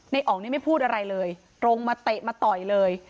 อ๋องนี่ไม่พูดอะไรเลยตรงมาเตะมาต่อยเลย